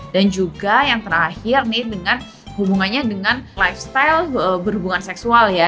dan juga yang terakhir nih dengan hubungannya dengan lifestyle berhubungan seksual ya